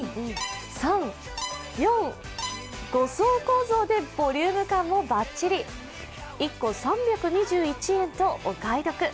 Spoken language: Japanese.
５層構造でボリューム感もばっちり１個３２１円とお買い得。